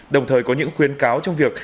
đồng thời có những khuyến cáo trong việc